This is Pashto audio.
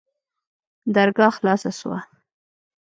درګاه خلاصه سوه.